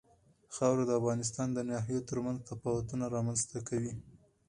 خاوره د افغانستان د ناحیو ترمنځ تفاوتونه رامنځ ته کوي.